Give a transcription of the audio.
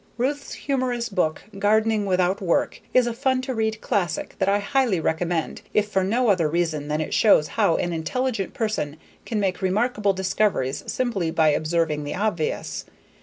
Ruth's humorous book, Gardening Without Work is a fun to read classic that I highly recommend if for no other reason than it shows how an intelligent person can make remarkable discoveries simply by observing the obvious.